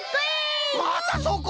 またそこ？